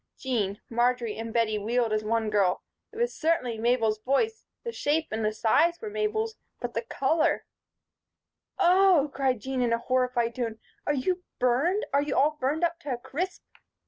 Jean, Marjory and Bettie wheeled as one girl. It was certainly Mabel's voice, the shape and size were Mabel's, but the color "Oh!" cried Jean, in a horrified tone. "Are you burned? Are you all burned up to a crisp?"